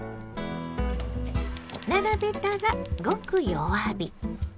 並べたらごく弱火。